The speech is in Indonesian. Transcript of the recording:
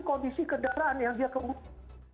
kondisi kejahatan yang dia kemungkinan